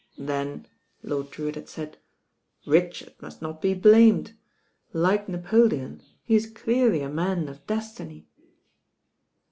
"Then," Lord Drewitt had said, "Richard must not be blamed. Like Napoleon, he is clearly a man of destiny."